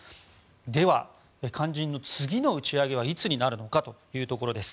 では、肝心の次の打ち上げはいつになるのかということです。